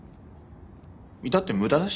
いたって無駄だし。